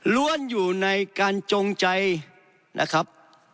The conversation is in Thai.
้วนอยู่ในการจงใจนะครับ